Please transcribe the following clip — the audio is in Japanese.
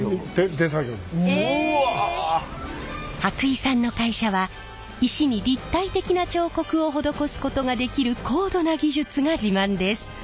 伯井さんの会社は石に立体的な彫刻を施すことができる高度な技術が自慢です。